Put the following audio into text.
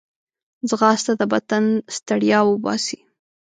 ځغاسته د بدن ستړیا وباسي